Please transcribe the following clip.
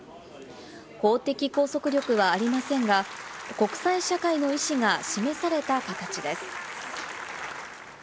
法的拘束力はありませんが、国際社会の意思が示された形です。